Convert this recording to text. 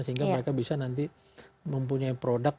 sehingga mereka bisa nanti mempunyai produk